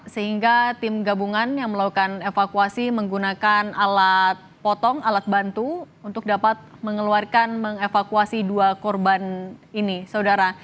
sehingga tim gabungan yang melakukan evakuasi menggunakan alat potong alat bantu untuk dapat mengeluarkan mengevakuasi dua korban ini saudara